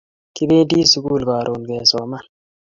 kibendi sukul karun kesoman